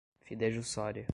fidejussória